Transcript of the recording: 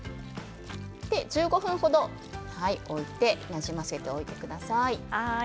１５分程、置いてなじませておいてください。